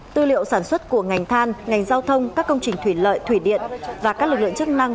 tư liệu sản xuất của ngành than ngành giao thông các công trình thủy lợi thủy điện và các lực lượng chức năng